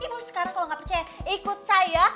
ibu sekarang kalo ga percaya ikut saya